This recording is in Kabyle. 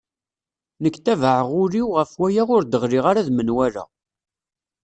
Nekk tabaɛeɣ ul-iw ɣef waya ur d-ɣliɣ ara d menwala.